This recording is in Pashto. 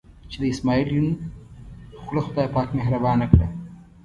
چې د اسمعیل یون خوله خدای پاک مهربانه کړه.